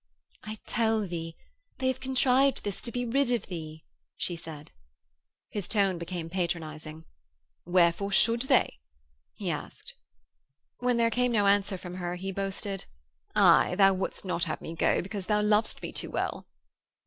'I tell thee they have contrived this to be rid of thee,' she said. His tone became patronising. 'Wherefore should they?' he asked. When there came no answer from her he boasted, 'Aye, thou wouldst not have me go because thou lovest me too well.'